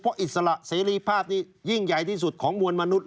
เพราะอิสระเสรีภาพนี้ยิ่งใหญ่ที่สุดของมวลมนุษย